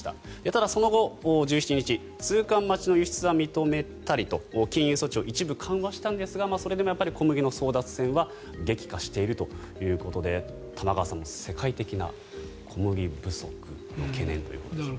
ただ、その後１７日通関待ちの輸出は認めたりと禁輸措置を一部緩和したんですがそれでもやっぱり小麦の争奪戦は激化しているということで玉川さん、世界的な小麦不足の懸念ということです。